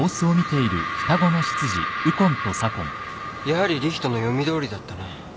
やはり理人の読みどおりだったな。